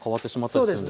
そうですね。